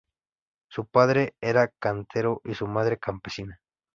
Su padre era cantero y su madre campesina.